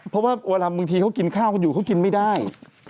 เพราะว่าเวลาบางทีเขากินข้าวกันอยู่เขากินไม่ได้